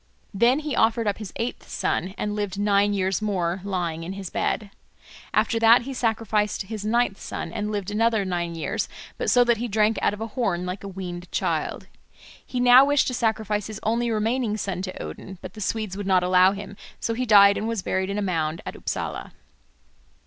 Then he offered up his eighth son, and lived nine years more, lying in his bed. After that he sacrificed his ninth son, and lived another nine years, but so that he drank out of a horn like a weaned child. He now wished to sacrifice his only remaining son to Odin, but the Swedes would not allow him. So he died and was buried in a mound at Upsala.